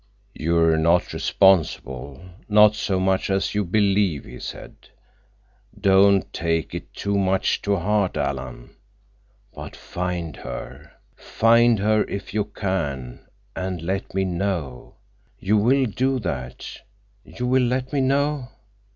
"You're not responsible—not so much as you believe," he said. "Don't take it too much to heart, Alan. But find her. Find her if you can, and let me know. You will do that—you will let me know?"